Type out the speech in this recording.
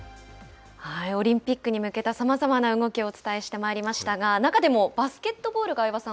オリンピックに向けたさまざまな動きをお伝えしてまいりましたが中でもバスケットボールが相葉さん